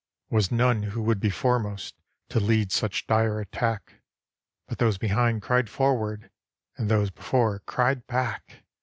Was none who would be foremost To lead such dire attack: But those behind cried "Forward!" And those before cried "Back!"